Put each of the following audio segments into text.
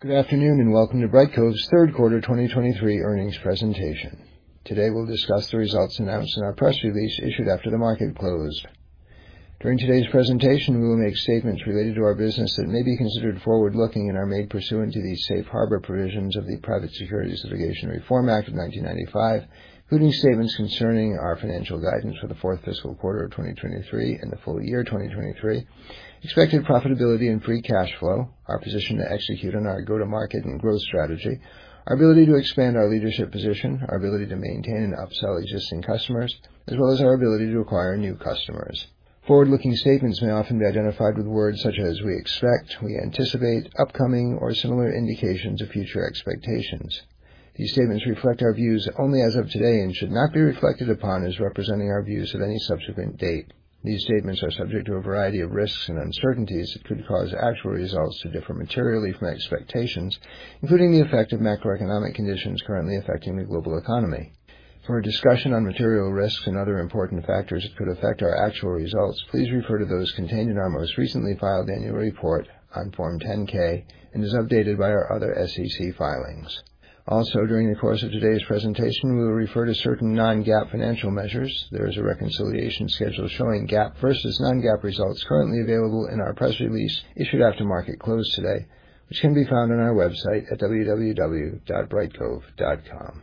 Good afternoon and welcome to Brightcove's third quarter 2023 earnings presentation. Today we'll discuss the results announced in our press release issued after the market closed. During today's presentation we will make statements related to our business that may be considered forward-looking and are made pursuant to the Safe Harbor provisions of the Private Securities Litigation Reform Act of 1995, including statements concerning our financial guidance for the fourth fiscal quarter of 2023 and the full year 2023, expected profitability and free cash flow, our position to execute on our go-to-market and growth strategy, our ability to expand our leadership position, our ability to maintain and upsell existing customers, as well as our ability to acquire new customers. Forward-looking statements may often be identified with words such as "we expect," "we anticipate," "upcoming," or similar indications of future expectations. These statements reflect our views only as of today and should not be reflected upon as representing our views of any subsequent date. These statements are subject to a variety of risks and uncertainties that could cause actual results to differ materially from expectations, including the effect of macroeconomic conditions currently affecting the global economy. For a discussion on material risks and other important factors that could affect our actual results, please refer to those contained in our most recently filed annual report on Form 10-K, and is updated by our other SEC filings. Also, during the course of today's presentation we will refer to certain non-GAAP financial measures; there is a reconciliation schedule showing GAAP versus non-GAAP results currently available in our press release issued after market closed today, which can be found on our website at www.brightcove.com.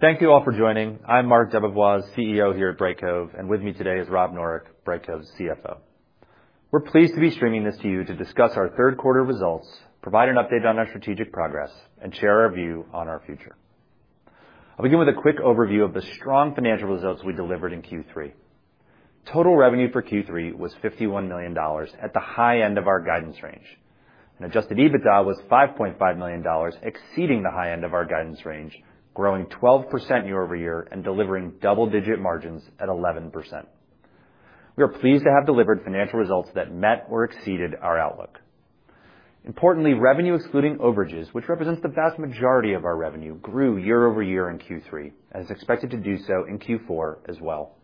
Thank you all for joining. I'm Marc DeBevoise, CEO here at Brightcove, and with me today is Rob Noreck, Brightcove's CFO. We're pleased to be streaming this to you to discuss our third quarter results, provide an update on our strategic progress, and share our view on our future. I'll begin with a quick overview of the strong financial results we delivered in Q3. Total revenue for Q3 was $51 million at the high end of our guidance range, and adjusted EBITDA was $5.5 million, exceeding the high end of our guidance range, growing 12% year-over-year and delivering double-digit margins at 11%. We are pleased to have delivered financial results that met or exceeded our outlook. Importantly, revenue excluding overages, which represents the vast majority of our revenue, grew year-over-year in Q3 and is expected to do so in Q4 as well.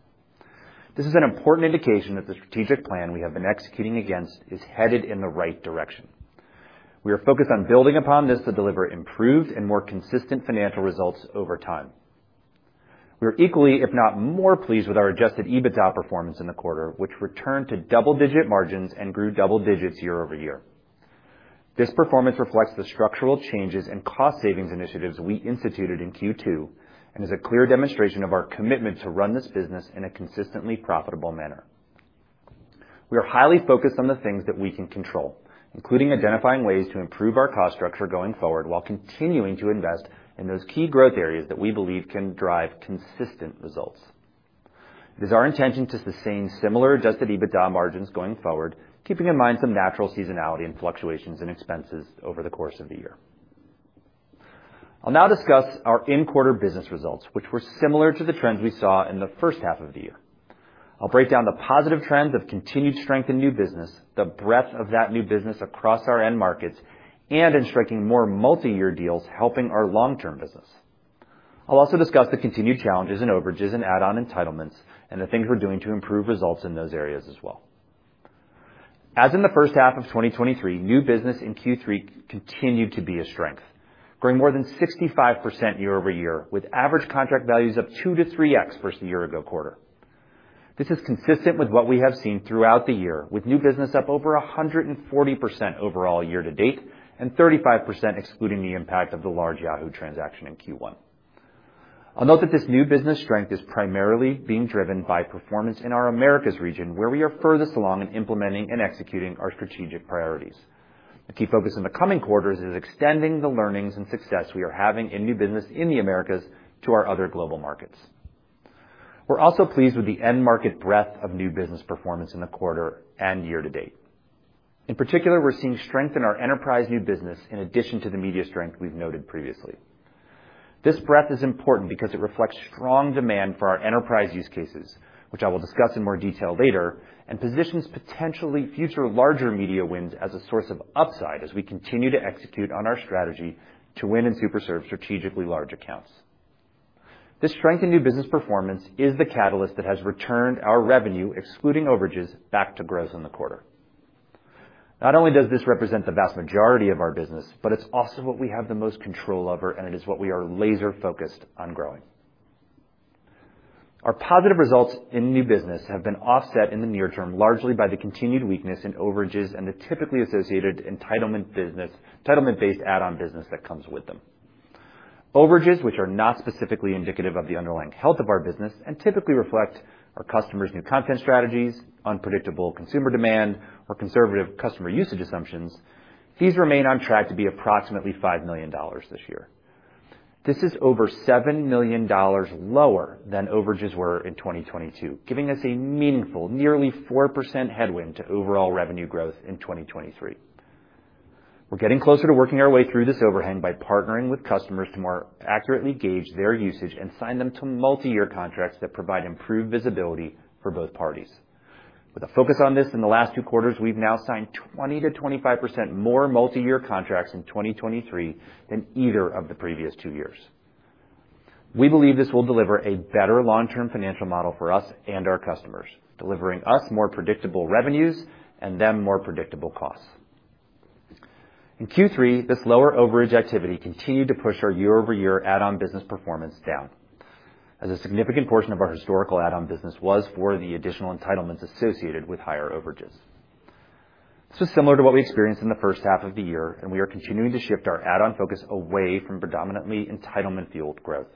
This is an important indication that the strategic plan we have been executing against is headed in the right direction. We are focused on building upon this to deliver improved and more consistent financial results over time. We are equally, if not more, pleased with our Adjusted EBITDA performance in the quarter, which returned to double-digit margins and grew double digits year-over-year. This performance reflects the structural changes and cost-savings initiatives we instituted in Q2 and is a clear demonstration of our commitment to run this business in a consistently profitable manner. We are highly focused on the things that we can control, including identifying ways to improve our cost structure going forward while continuing to invest in those key growth areas that we believe can drive consistent results. It is our intention to sustain similar Adjusted EBITDA margins going forward, keeping in mind some natural seasonality and fluctuations in expenses over the course of the year. I'll now discuss our in-quarter business results, which were similar to the trends we saw in the first half of the year. I'll break down the positive trends of continued strength in new business, the breadth of that new business across our end markets, and in striking more multi-year deals helping our long-term business. I'll also discuss the continued challenges in overages and add-on entitlements, and the things we're doing to improve results in those areas as well. As in the first half of 2023, new business in Q3 continued to be a strength, growing more than 65% year-over-year, with average contract values up 2-3x versus the year-ago quarter. This is consistent with what we have seen throughout the year, with new business up over 140% overall year to date, and 35% excluding the impact of the large Yahoo transaction in Q1. I'll note that this new business strength is primarily being driven by performance in our Americas region, where we are furthest along in implementing and executing our strategic priorities. A key focus in the coming quarters is extending the learnings and success we are having in new business in the Americas to our other global markets. We're also pleased with the end-market breadth of new business performance in the quarter and year to date. In particular, we're seeing strength in our enterprise new business in addition to the media strength we've noted previously. This breadth is important because it reflects strong demand for our enterprise use cases, which I will discuss in more detail later, and positions potentially future larger media wins as a source of upside as we continue to execute on our strategy to win and superserve strategically large accounts. This strength in new business performance is the catalyst that has returned our revenue, excluding overages, back to growth in the quarter. Not only does this represent the vast majority of our business, but it's also what we have the most control over, and it is what we are laser-focused on growing. Our positive results in new business have been offset in the near term largely by the continued weakness in overages and the typically associated entitlement-based add-on business that comes with them. Overages, which are not specifically indicative of the underlying health of our business and typically reflect our customers' new content strategies, unpredictable consumer demand, or conservative customer usage assumptions, these remain on track to be approximately $5 million this year. This is over $7 million lower than overages were in 2022, giving us a meaningful, nearly 4% headwind to overall revenue growth in 2023. We're getting closer to working our way through this overhang by partnering with customers to more accurately gauge their usage and sign them to multi-year contracts that provide improved visibility for both parties. With a focus on this in the last two quarters, we've now signed 20%-25% more multi-year contracts in 2023 than either of the previous two years. We believe this will deliver a better long-term financial model for us and our customers, delivering us more predictable revenues and them more predictable costs. In Q3, this lower overage activity continued to push our year-over-year add-on business performance down, as a significant portion of our historical add-on business was for the additional entitlements associated with higher overages. This was similar to what we experienced in the first half of the year, and we are continuing to shift our add-on focus away from predominantly entitlement-fueled growth.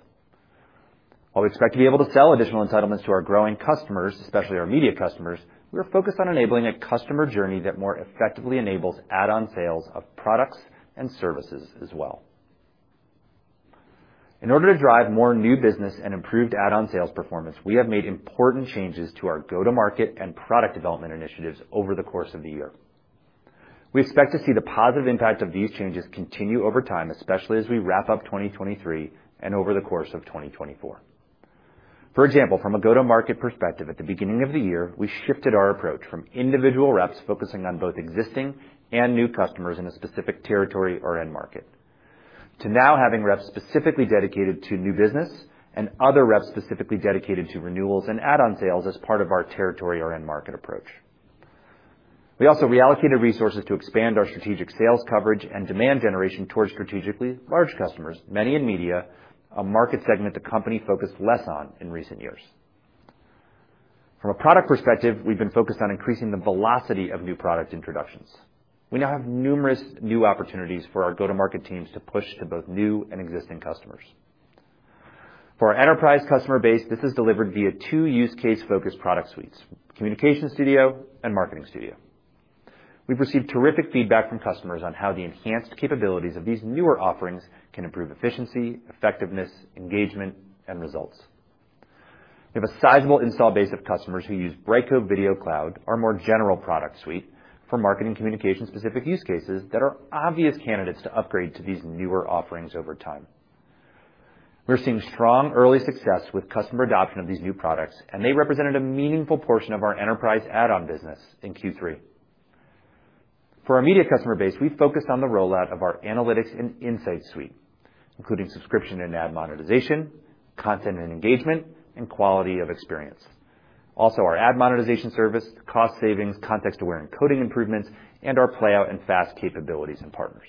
While we expect to be able to sell additional entitlements to our growing customers, especially our media customers, we are focused on enabling a customer journey that more effectively enables add-on sales of products and services as well. In order to drive more new business and improved add-on sales performance, we have made important changes to our go-to-market and product development initiatives over the course of the year. We expect to see the positive impact of these changes continue over time, especially as we wrap up 2023 and over the course of 2024. For example, from a go-to-market perspective, at the beginning of the year, we shifted our approach from individual reps focusing on both existing and new customers in a specific territory or end market, to now having reps specifically dedicated to new business and other reps specifically dedicated to renewals and add-on sales as part of our territory or end market approach. We also reallocated resources to expand our strategic sales coverage and demand generation towards strategically large customers, many in media, a market segment the company focused less on in recent years. From a product perspective, we've been focused on increasing the velocity of new product introductions. We now have numerous new opportunities for our go-to-market teams to push to both new and existing customers. For our enterprise customer base, this is delivered via two use-case-focused product suites: Communication Studio and Marketing Studio. We've received terrific feedback from customers on how the enhanced capabilities of these newer offerings can improve efficiency, effectiveness, engagement, and results. We have a sizable install base of customers who use Brightcove Video Cloud, our more general product suite, for marketing communication-specific use cases that are obvious candidates to upgrade to these newer offerings over time. We're seeing strong early success with customer adoption of these new products, and they represented a meaningful portion of our enterprise add-on business in Q3. For our media customer base, we've focused on the rollout of our analytics and insights suite, including subscription and ad monetization, content and engagement, and quality of experience. Also, our Ad Monetization Service, cost savings, context-aware encoding improvements, and our playout and FAST capabilities and partners.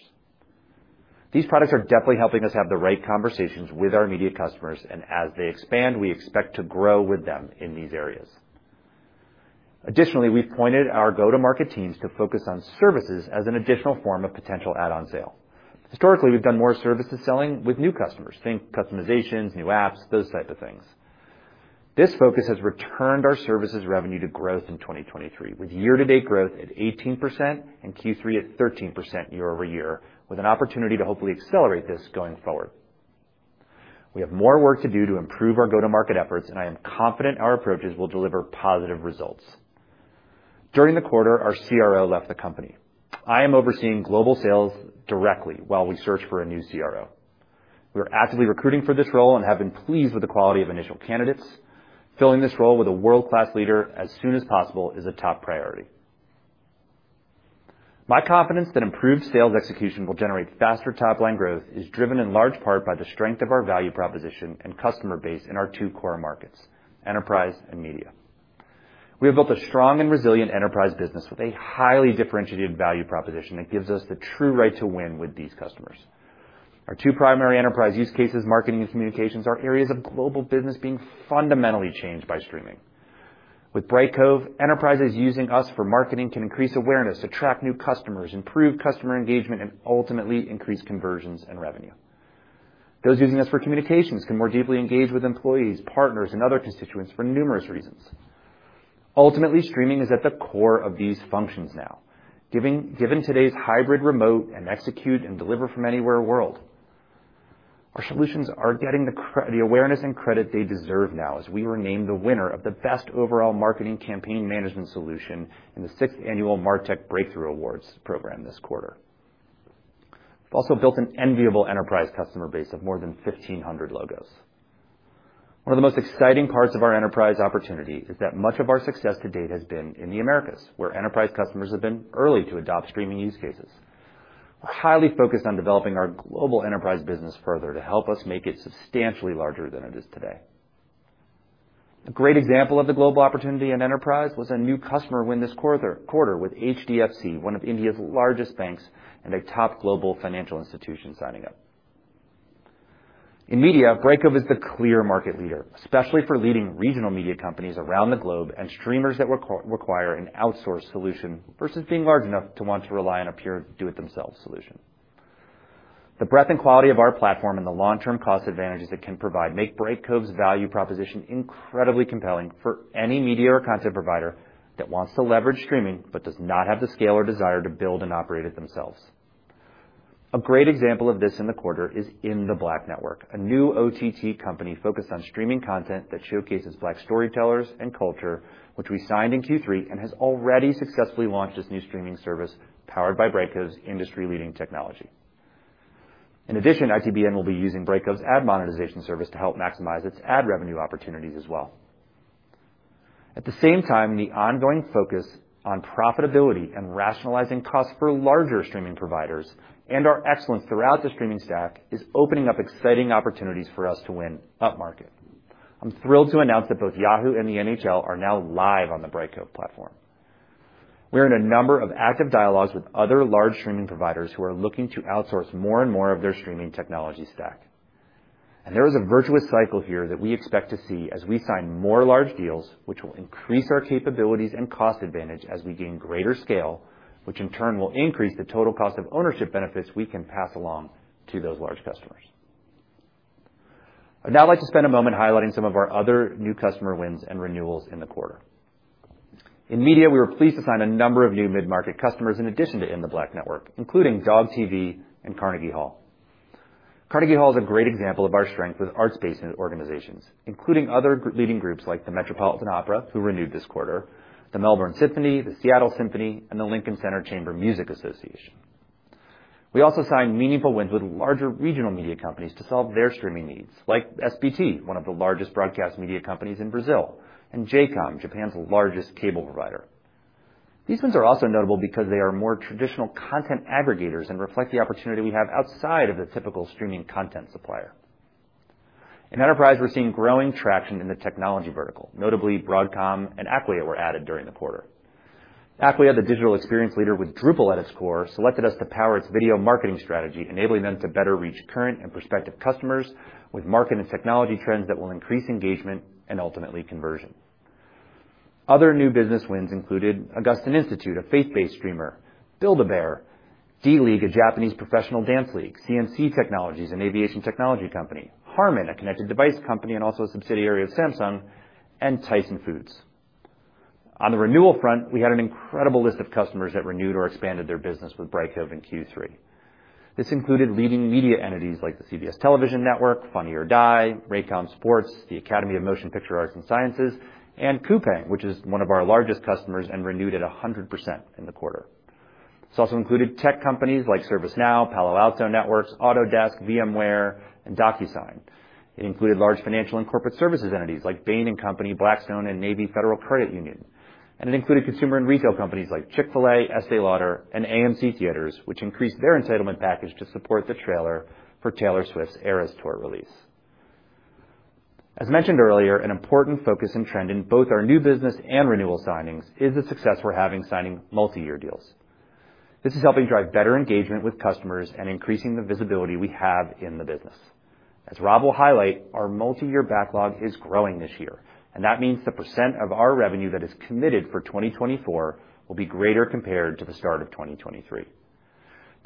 These products are definitely helping us have the right conversations with our media customers, and as they expand, we expect to grow with them in these areas. Additionally, we've pointed our go-to-market teams to focus on services as an additional form of potential add-on sale. Historically, we've done more services selling with new customers; think customizations, new apps, those types of things. This focus has returned our services revenue to growth in 2023, with year-to-date growth at 18% and Q3 at 13% year-over-year, with an opportunity to hopefully accelerate this going forward. We have more work to do to improve our go-to-market efforts, and I am confident our approaches will deliver positive results. During the quarter, our CRO left the company. I am overseeing global sales directly while we search for a new CRO. We are actively recruiting for this role and have been pleased with the quality of initial candidates. Filling this role with a world-class leader as soon as possible is a top priority. My confidence that improved sales execution will generate faster top-line growth is driven in large part by the strength of our value proposition and customer base in our two core markets: enterprise and media. We have built a strong and resilient enterprise business with a highly differentiated value proposition that gives us the true right to win with these customers. Our two primary enterprise use cases, marketing and communications, are areas of global business being fundamentally changed by streaming. With Brightcove, enterprises using us for marketing can increase awareness, attract new customers, improve customer engagement, and ultimately increase conversions and revenue. Those using us for communications can more deeply engage with employees, partners, and other constituents for numerous reasons. Ultimately, streaming is at the core of these functions now, given today's hybrid remote and execute and deliver-from-anywhere world. Our solutions are getting the awareness and credit they deserve now as we were named the winner of the Best Overall Marketing Campaign Management Solution in the sixth annual MarTech Breakthrough Awards program this quarter. We've also built an enviable enterprise customer base of more than 1,500 logos. One of the most exciting parts of our enterprise opportunity is that much of our success to date has been in the Americas, where enterprise customers have been early to adopt streaming use cases. We're highly focused on developing our global enterprise business further to help us make it substantially larger than it is today. A great example of the global opportunity in enterprise was a new customer win this quarter with HDFC, one of India's largest banks and a top global financial institution signing up. In media, Brightcove is the clear market leader, especially for leading regional media companies around the globe and streamers that require an outsourced solution versus being large enough to want to rely on a pure do-it-themselves solution. The breadth and quality of our platform and the long-term cost advantages it can provide make Brightcove's value proposition incredibly compelling for any media or content provider that wants to leverage streaming but does not have the scale or desire to build and operate it themselves. A great example of this in the quarter is In The Black Network, a new OTT company focused on streaming content that showcases Black storytellers and culture, which we signed in Q3 and has already successfully launched this new streaming service powered by Brightcove's industry-leading technology. In addition, ITBN will be using Brightcove's ad monetization service to help maximize its ad revenue opportunities as well. At the same time, the ongoing focus on profitability and rationalizing costs for larger streaming providers and our excellence throughout the streaming stack is opening up exciting opportunities for us to win upmarket. I'm thrilled to announce that both Yahoo and the NHL are now live on the Brightcove platform. We are in a number of active dialogues with other large streaming providers who are looking to outsource more and more of their streaming technology stack. There is a virtuous cycle here that we expect to see as we sign more large deals, which will increase our capabilities and cost advantage as we gain greater scale, which in turn will increase the total cost of ownership benefits we can pass along to those large customers. I'd now like to spend a moment highlighting some of our other new customer wins and renewals in the quarter. In media, we were pleased to sign a number of new mid-market customers in addition to In The Black Network, including DOGTV and Carnegie Hall. Carnegie Hall is a great example of our strength with arts-based organizations, including other leading groups like the Metropolitan Opera, who renewed this quarter, the Melbourne Symphony, the Seattle Symphony, and the Lincoln Center Chamber Music Society. We also signed meaningful wins with larger regional media companies to solve their streaming needs, like SBT, one of the largest broadcast media companies in Brazil, and J:COM, Japan's largest cable provider. These wins are also notable because they are more traditional content aggregators and reflect the opportunity we have outside of the typical streaming content supplier. In enterprise, we're seeing growing traction in the technology vertical, notably Broadcom and Acquia were added during the quarter. Acquia, the digital experience leader with Drupal at its core, selected us to power its video marketing strategy, enabling them to better reach current and prospective customers with market and technology trends that will increase engagement and ultimately conversion. Other new business wins included Augustine Institute a faith-based streamer, Build-A-Bear, D.League, a Japanese professional dance league, CNC Technologies, an aviation technology company, Harman, a connected device company and also a subsidiary of Samsung, and Tyson Foods. On the renewal front, we had an incredible list of customers that renewed or expanded their business with Brightcove in Q3. This included leading media entities like the CBS Television Network, Funny or Die, Raycom Sports, the Academy of Motion Picture Arts and Sciences, and Coupang, which is one of our largest customers and renewed at 100% in the quarter. It's also included tech companies like ServiceNow, Palo Alto Networks, Autodesk, VMware, and DocuSign. It included large financial and corporate services entities like Bain & Company, Blackstone, and Navy Federal Credit Union. It included consumer and retail companies like Chick-fil-A, Estée Lauder, and AMC Theatres, which increased their entitlement package to support the trailer for Taylor Swift's Eras Tour release. As mentioned earlier, an important focus and trend in both our new business and renewal signings is the success we're having signing multi-year deals. This is helping drive better engagement with customers and increasing the visibility we have in the business. As Rob will highlight, our multi-year backlog is growing this year, and that means the percent of our revenue that is committed for 2024 will be greater compared to the start of 2023.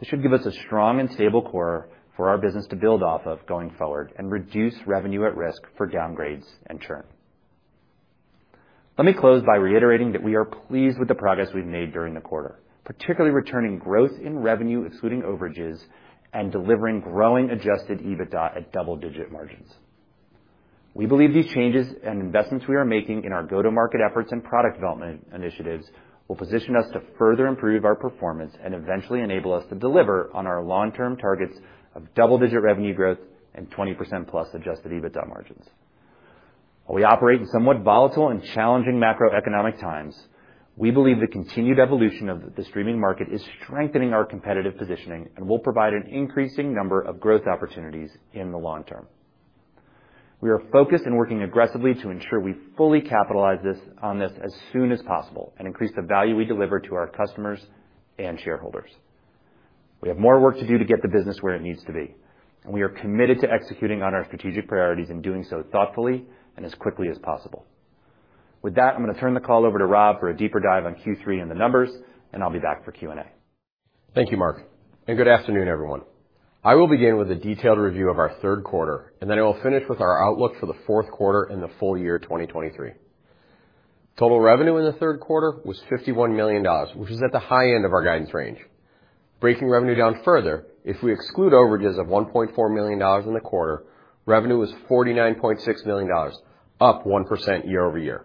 This should give us a strong and stable core for our business to build off of going forward and reduce revenue at risk for downgrades and churn. Let me close by reiterating that we are pleased with the progress we've made during the quarter, particularly returning growth in revenue excluding overages and delivering growing Adjusted EBITDA at double-digit margins. We believe these changes and investments we are making in our go-to-market efforts and product development initiatives will position us to further improve our performance and eventually enable us to deliver on our long-term targets of double-digit revenue growth and 20%+ Adjusted EBITDA margins. While we operate in somewhat volatile and challenging macroeconomic times, we believe the continued evolution of the streaming market is strengthening our competitive positioning and will provide an increasing number of growth opportunities in the long term. We are focused and working aggressively to ensure we fully capitalize on this as soon as possible and increase the value we deliver to our customers and shareholders. We have more work to do to get the business where it needs to be, and we are committed to executing on our strategic priorities and doing so thoughtfully and as quickly as possible. With that, I'm going to turn the call over to Rob for a deeper dive on Q3 and the numbers, and I'll be back for Q&A. Thank you, Marc, and good afternoon, everyone. I will begin with a detailed review of our third quarter, and then I will finish with our outlook for the fourth quarter in the full year 2023. Total revenue in the third quarter was $51 million, which is at the high end of our guidance range. Breaking revenue down further, if we exclude overages of $1.4 million in the quarter, revenue was $49.6 million, up 1% year-over-year.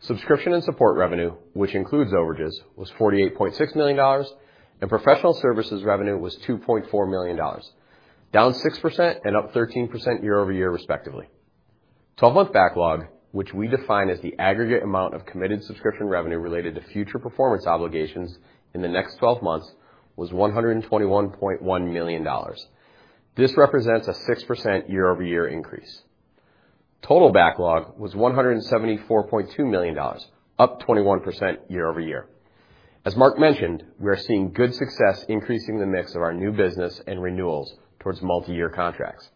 Subscription and support revenue, which includes overages, was $48.6 million, and professional services revenue was $2.4 million, down 6% and up 13% year-over-year, respectively. 12-month backlog, which we define as the aggregate amount of committed subscription revenue related to future performance obligations in the next 12 months, was $121.1 million. This represents a 6% year-over-year increase. Total backlog was $174.2 million, up 21% year-over-year. As Marc mentioned, we are seeing good success increasing the mix of our new business and renewals towards multi-year contracts.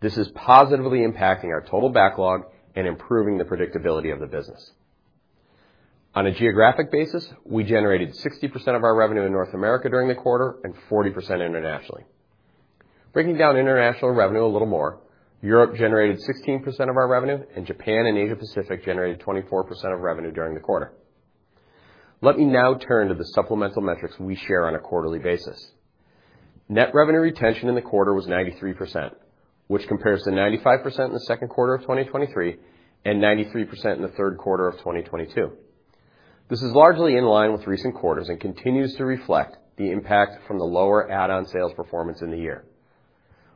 This is positively impacting our total backlog and improving the predictability of the business. On a geographic basis, we generated 60% of our revenue in North America during the quarter and 40% internationally. Breaking down international revenue a little more, Europe generated 16% of our revenue, and Japan and Asia-Pacific generated 24% of revenue during the quarter. Let me now turn to the supplemental metrics we share on a quarterly basis. Net Revenue Retention in the quarter was 93%, which compares to 95% in the second quarter of 2023 and 93% in the third quarter of 2022. This is largely in line with recent quarters and continues to reflect the impact from the lower add-on sales performance in the year.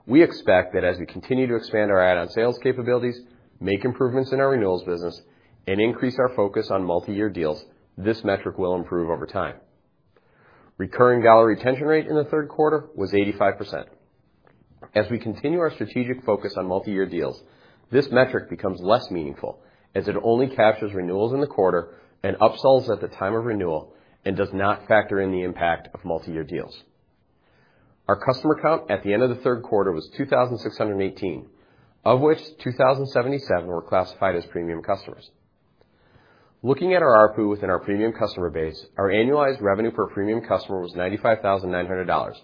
We expect that as we continue to expand our add-on sales capabilities, make improvements in our renewals business, and increase our focus on multi-year deals, this metric will improve over time. Recurring Dollar Retention Rate in the third quarter was 85%. As we continue our strategic focus on multi-year deals, this metric becomes less meaningful as it only captures renewals in the quarter and upsells at the time of renewal and does not factor in the impact of multi-year deals. Our customer count at the end of the third quarter was 2,618, of which 2,077 were classified as premium customers. Looking at our ARPU within our premium customer base, our annualized revenue per premium customer was $95,900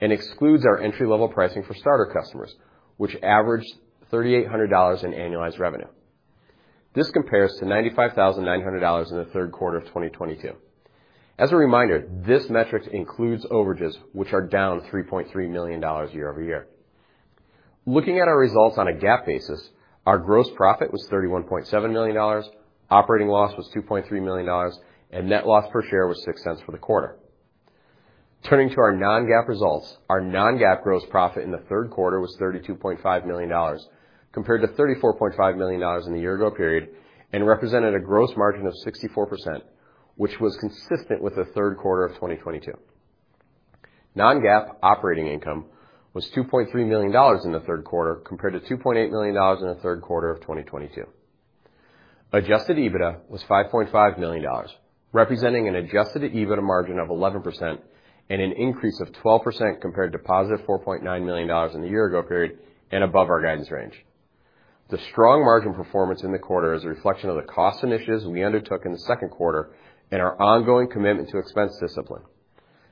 and excludes our entry-level pricing for starter customers, which averaged $3,800 in annualized revenue. This compares to $95,900 in the third quarter of 2022. As a reminder, this metric includes overages, which are down $3.3 million year-over-year. Looking at our results on a GAAP basis, our gross profit was $31.7 million, operating loss was $2.3 million, and net loss per share was $0.06 for the quarter. Turning to our non-GAAP results, our non-GAAP gross profit in the third quarter was $32.5 million compared to $34.5 million in the year-ago period and represented a gross margin of 64%, which was consistent with the third quarter of 2022. Non-GAAP operating income was $2.3 million in the third quarter compared to $2.8 million in the third quarter of 2022. Adjusted EBITDA was $5.5 million, representing an adjusted EBITDA margin of 11% and an increase of 12% compared to positive $4.9 million in the year-ago period and above our guidance range. The strong margin performance in the quarter is a reflection of the cost initiatives we undertook in the second quarter and our ongoing commitment to expense discipline.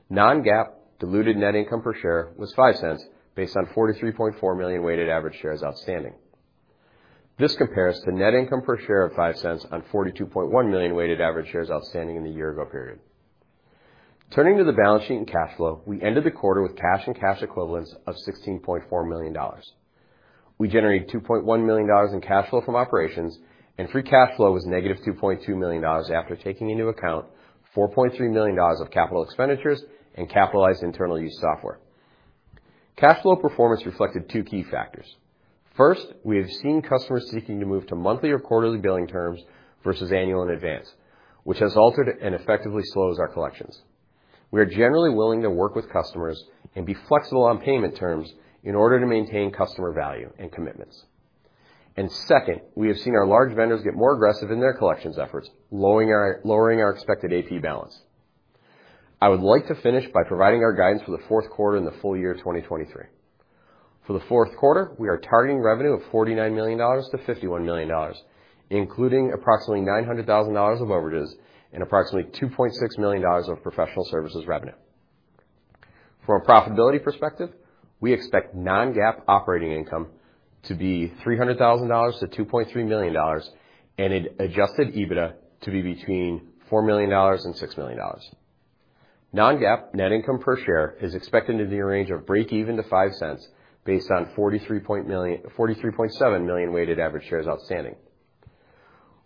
Non-GAAP diluted net income per share was $0.05 based on 43.4 million weighted average shares outstanding. This compares to net income per share of $0.05 on 42.1 million weighted average shares outstanding in the year-ago period. Turning to the balance sheet and cash flow, we ended the quarter with cash and cash equivalents of $16.4 million. We generated $2.1 million in cash flow from operations, and free cash flow was -$2.2 million after taking into account $4.3 million of capital expenditures and capitalized internal use software. Cash flow performance reflected two key factors. First, we have seen customers seeking to move to monthly or quarterly billing terms versus annual in advance, which has altered and effectively slows our collections. We are generally willing to work with customers and be flexible on payment terms in order to maintain customer value and commitments. Second, we have seen our large vendors get more aggressive in their collections efforts, lowering our expected AP balance. I would like to finish by providing our guidance for the fourth quarter in the full year 2023. For the fourth quarter, we are targeting revenue of $49 million-$51 million, including approximately $900,000 of overages and approximately $2.6 million of professional services revenue. From a profitability perspective, we expect non-GAAP operating income to be $300,000-$2.3 million and adjusted EBITDA to be between $4 million and $6 million. Non-GAAP net income per share is expected in the range of break-even to $0.05 based on 43.7 million weighted average shares outstanding.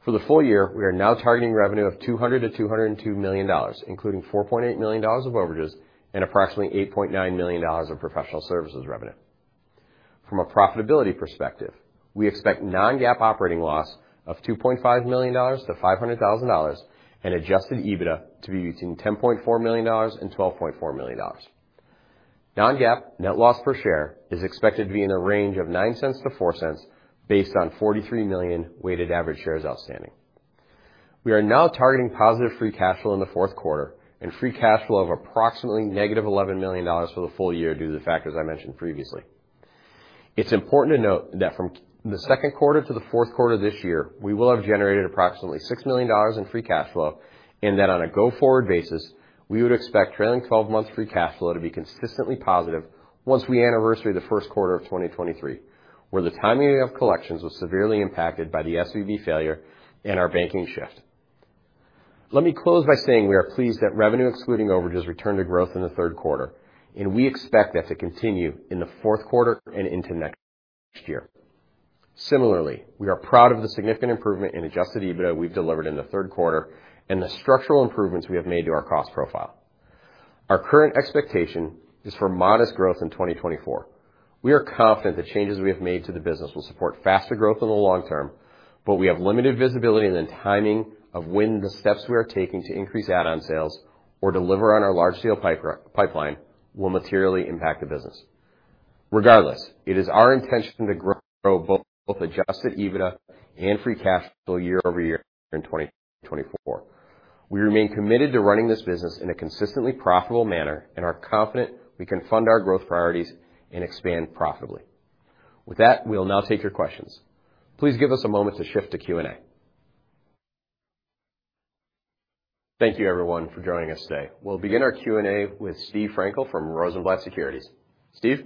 For the full year, we are now targeting revenue of $200 million-$202 million, including $4.8 million of overages and approximately $8.9 million of professional services revenue. From a profitability perspective, we expect non-GAAP operating loss of $2.5 million-$500,000 and adjusted EBITDA to be between $10.4 million and $12.4 million. Non-GAAP net loss per share is expected to be in the range of $0.09-$0.04 based on 43 million weighted average shares outstanding. We are now targeting positive free cash flow in the fourth quarter and free cash flow of approximately -$11 million for the full year due to the factors I mentioned previously. It's important to note that from the second quarter to the fourth quarter this year, we will have generated approximately $6 million in free cash flow and that on a go-forward basis, we would expect trailing 12-month free cash flow to be consistently positive once we anniversary the first quarter of 2023, where the timing of collections was severely impacted by the SVB failure and our banking shift. Let me close by saying we are pleased that revenue excluding overages returned to growth in the third quarter, and we expect that to continue in the fourth quarter and into next year. Similarly, we are proud of the significant improvement in adjusted EBITDA we've delivered in the third quarter and the structural improvements we have made to our cost profile. Our current expectation is for modest growth in 2024. We are confident the changes we have made to the business will support faster growth in the long term, but we have limited visibility in the timing of when the steps we are taking to increase add-on sales or deliver on our large-scale pipeline will materially impact the business. Regardless, it is our intention to grow both adjusted EBITDA and free cash flow year-over-year in 2024. We remain committed to running this business in a consistently profitable manner and are confident we can fund our growth priorities and expand profitably. With that, we'll now take your questions. Please give us a moment to shift to Q&A. Thank you, everyone, for joining us today. We'll begin our Q&A with Steve Frankel from Rosenblatt Securities. Steve?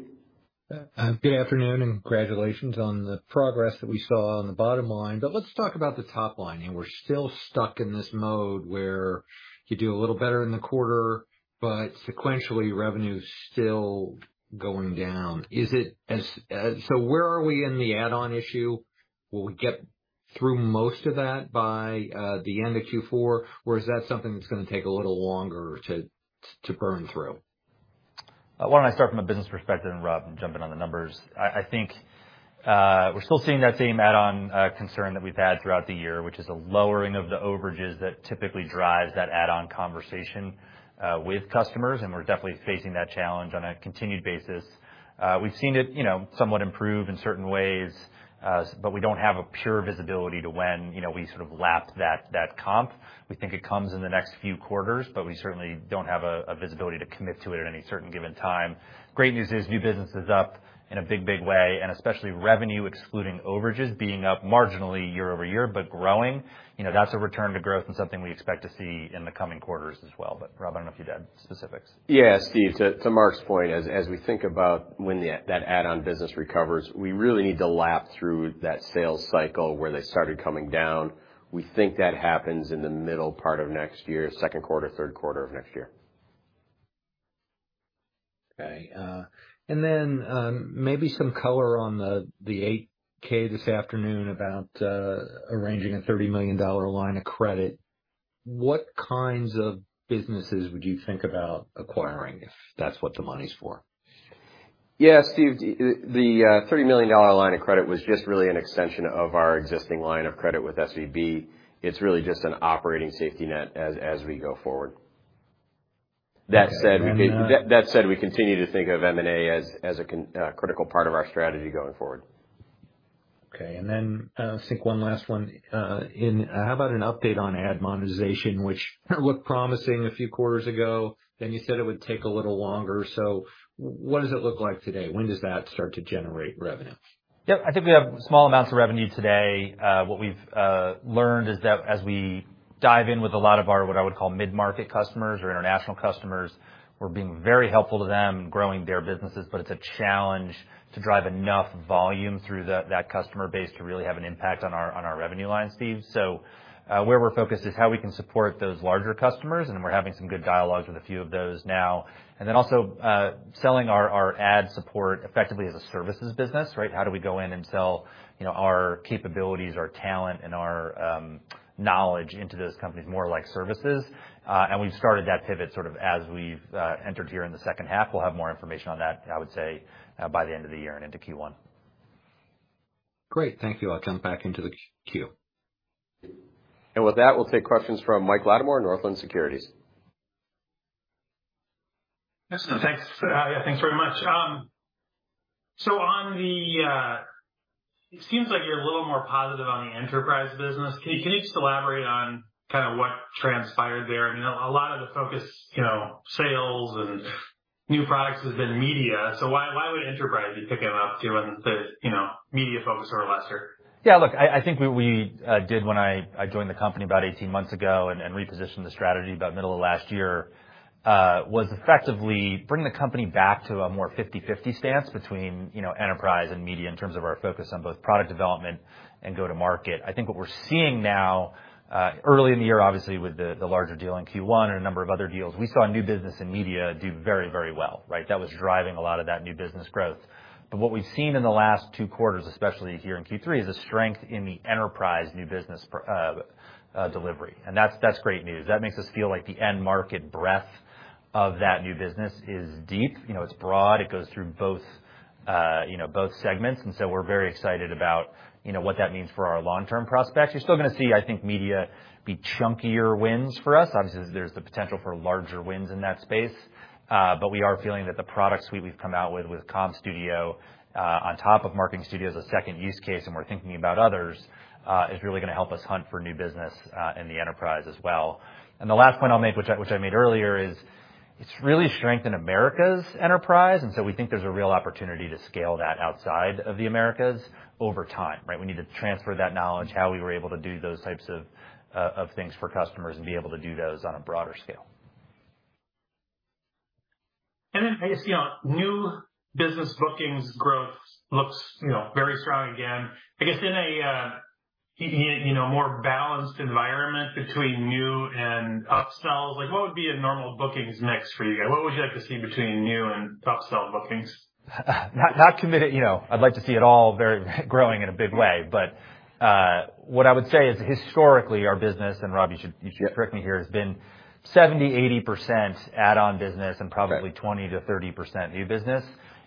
Good afternoon and congratulations on the progress that we saw on the bottom line. But let's talk about the top line, and we're still stuck in this mode where you do a little better in the quarter, but sequentially revenue's still going down. So where are we in the add-on issue? Will we get through most of that by the end of Q4, or is that something that's going to take a little longer to burn through? Why don't I start from a business perspective and Rob jump in on the numbers? I think we're still seeing that same add-on concern that we've had throughout the year, which is a lowering of the overages that typically drives that add-on conversation with customers, and we're definitely facing that challenge on a continued basis. We've seen it somewhat improve in certain ways, but we don't have a pure visibility to when we sort of lap that comp. We think it comes in the next few quarters, but we certainly don't have a visibility to commit to it at any certain given time. Great news is new business is up in a big, big way, and especially revenue excluding overages being up marginally year-over-year but growing. That's a return to growth and something we expect to see in the coming quarters as well. Rob, I don't know if you had specifics. Yeah, Steve. To Mark's point, as we think about when that add-on business recovers, we really need to lap through that sales cycle where they started coming down. We think that happens in the middle part of next year, second quarter, third quarter of next year. Okay. And then maybe some color on the 8-K this afternoon about arranging a $30 million line of credit. What kinds of businesses would you think about acquiring if that's what the money's for? Yeah, Steve. The $30 million line of credit was just really an extension of our existing line of credit with SVB. It's really just an operating safety net as we go forward. That said, we continue to think of M&A as a critical part of our strategy going forward. Okay. And then I think one last one. How about an update on ad monetization, which looked promising a few quarters ago, then you said it would take a little longer. So what does it look like today? When does that start to generate revenue? Yep. I think we have small amounts of revenue today. What we've learned is that as we dive in with a lot of our what I would call mid-market customers or international customers, we're being very helpful to them and growing their businesses, but it's a challenge to drive enough volume through that customer base to really have an impact on our revenue line, Steve. So where we're focused is how we can support those larger customers, and we're having some good dialogues with a few of those now. And then also selling our ad support effectively as a services business, right? How do we go in and sell our capabilities, our talent, and our knowledge into those companies more like services? And we've started that pivot sort of as we've entered here in the second half. We'll have more information on that, I would say, by the end of the year and into Q1. Great. Thank you. I'll jump back into the queue. With that, we'll take questions from Mike Latimore, Northland Securities. Excellent. Yeah, thanks very much. So on the it seems like you're a little more positive on the enterprise business. Can you just elaborate on kind of what transpired there? I mean, a lot of the focus sales and new products has been media. So why would enterprise be picking up too and the media focus over lesser? Yeah. Look, I think what we did when I joined the company about 18 months ago and repositioned the strategy about middle of last year was effectively bring the company back to a more 50/50 stance between enterprise and media in terms of our focus on both product development and go-to-market. I think what we're seeing now early in the year, obviously with the larger deal in Q1 and a number of other deals, we saw new business and media do very, very well, right? That was driving a lot of that new business growth. But what we've seen in the last two quarters, especially here in Q3, is a strength in the enterprise new business delivery. And that's great news. That makes us feel like the end-market breadth of that new business is deep. It's broad. It goes through both segments. We're very excited about what that means for our long-term prospects. You're still going to see, I think, media be chunkier wins for us. Obviously, there's the potential for larger wins in that space. But we are feeling that the product suite we've come out with with CommStudio on top of Marketing Studio as a second use case, and we're thinking about others, is really going to help us hunt for new business in the enterprise as well. The last point I'll make, which I made earlier, is it's really strengthened Americas enterprise. We think there's a real opportunity to scale that outside of the Americas over time, right? We need to transfer that knowledge, how we were able to do those types of things for customers, and be able to do those on a broader scale. Then I guess new business bookings growth looks very strong again. I guess in a more balanced environment between new and upsells, what would be a normal bookings mix for you guys? What would you like to see between new and upsell bookings? Not committed. I'd like to see it all growing in a big way. But what I would say is historically, our business, and Rob, you should correct me here, has been 70%-80% add-on business and probably 20%-30% new business.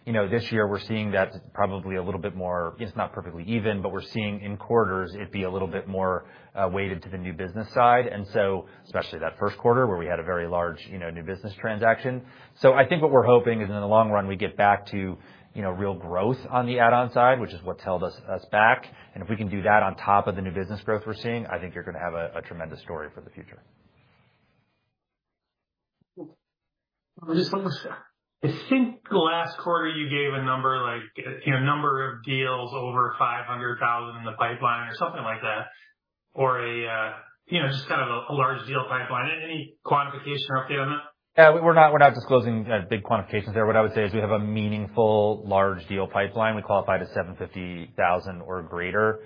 This year, we're seeing that probably a little bit more it's not perfectly even, but we're seeing in quarters it be a little bit more weighted to the new business side, and so especially that first quarter where we had a very large new business transaction. So I think what we're hoping is in the long run, we get back to real growth on the add-on side, which is what held us back. And if we can do that on top of the new business growth we're seeing, I think you're going to have a tremendous story for the future. I think last quarter you gave a number of deals over 500,000 in the pipeline or something like that, or just kind of a large deal pipeline. Any quantification or update on that? Yeah. We're not disclosing big quantifications there. What I would say is we have a meaningful large deal pipeline. We qualify to $750,000 or greater.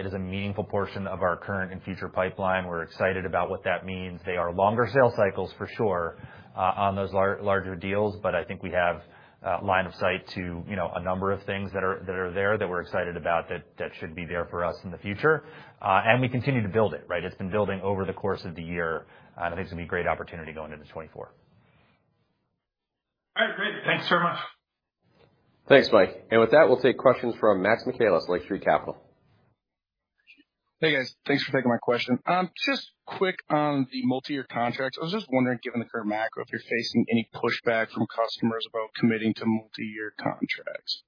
It is a meaningful portion of our current and future pipeline. We're excited about what that means. They are longer sale cycles, for sure, on those larger deals. But I think we have line of sight to a number of things that are there that we're excited about that should be there for us in the future. And we continue to build it, right? It's been building over the course of the year, and I think it's going to be a great opportunity going into 2024. All right. Great. Thanks very much. Thanks, Mike. With that, we'll take questions from Max Michaelis, Lake Street Capital. Hey, guys. Thanks for taking my question. Just quick on the multi-year contracts. I was just wondering, given the current macro, if you're facing any pushback from customers about committing to multi-year contracts?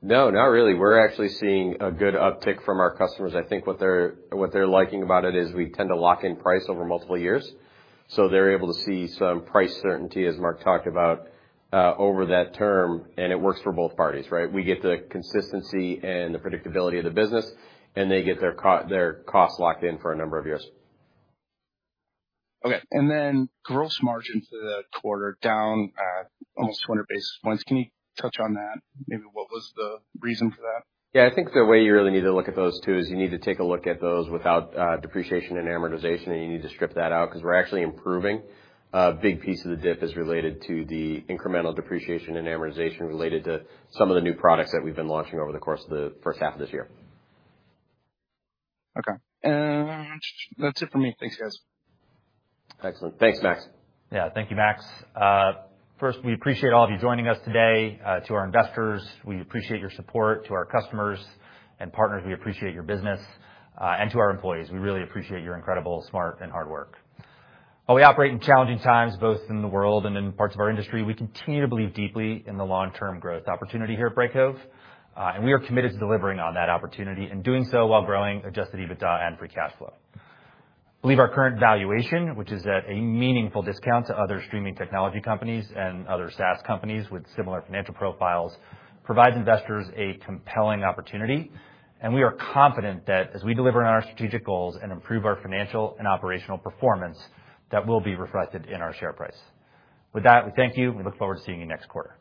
No, not really. We're actually seeing a good uptick from our customers. I think what they're liking about it is we tend to lock in price over multiple years. So they're able to see some price certainty, as Marc talked about, over that term, and it works for both parties, right? We get the consistency and the predictability of the business, and they get their costs locked in for a number of years. Okay. And then gross margin for the quarter down almost 200 basis points. Can you touch on that? Maybe what was the reason for that? Yeah. I think the way you really need to look at those two is you need to take a look at those without depreciation and amortization, and you need to strip that out because we're actually improving. A big piece of the dip is related to the incremental depreciation and amortization related to some of the new products that we've been launching over the course of the first half of this year. Okay. And that's it for me. Thanks, guys. Excellent. Thanks, Max. Yeah. Thank you, Max. First, we appreciate all of you joining us today. To our investors, we appreciate your support. To our customers and partners, we appreciate your business. And to our employees, we really appreciate your incredible smart and hard work. While we operate in challenging times both in the world and in parts of our industry, we continue to believe deeply in the long-term growth opportunity here at Brightcove. And we are committed to delivering on that opportunity and doing so while growing Adjusted EBITDA and Free Cash Flow. I believe our current valuation, which is at a meaningful discount to other streaming technology companies and other SaaS companies with similar financial profiles, provides investors a compelling opportunity. And we are confident that as we deliver on our strategic goals and improve our financial and operational performance, that will be reflected in our share price. With that, we thank you, and we look forward to seeing you next quarter.